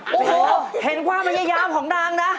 โอ้โหเห็นความพยายามของนางนะ